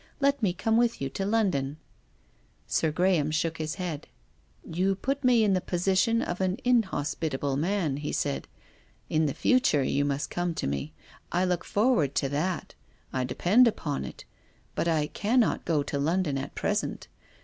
Let me come with you to London." Sir Graham shook his head. THE GRAVE. 65 " You put me in the position of an inhospitable man," he said. " In the future you must come to me. I look forward to that, I depend upon it. But I cannot go to London at present.